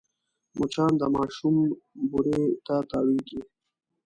مچان د ماشوم بوري ته تاوېږي